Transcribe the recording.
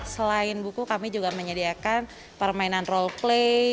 selain buku kami juga menyediakan permainan role play